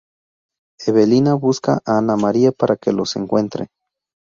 Evelina busca a Ana María para que los encuentre.